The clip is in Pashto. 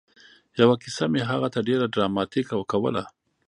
یوه کیسه مې هغه ته ډېره ډراماتيکه کوله